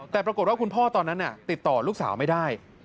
แต่ปรากฏว่าคุณพ่อตอนนั้นติดต่อลูกสาวไม่ได้